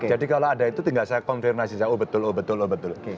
jadi kalau ada itu tinggal saya confirm aja oh betul oh betul oh betul